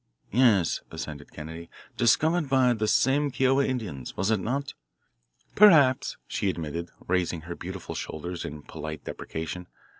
"Yes," assented Kennedy; "discovered by those same Kiowa Indians, was it not?" "Perhaps," she admitted, raising her beautiful shoulders in polite deprecation.